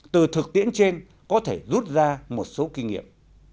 từ thực tiễn trên có thể rút ra một số kinh nghiệm